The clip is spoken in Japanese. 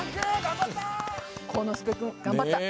幸之介君、頑張った。